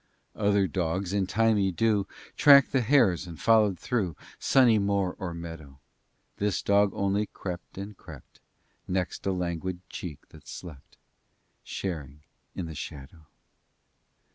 IX Other dogs in thymy dew Tracked the hares, and followed through Sunny moor or meadow: This dog only crept and crept Next a languid cheek that slept, Sharing in the shadow.